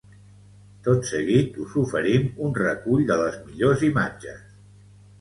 Tot seguit us oferim un recull de les millors imatges.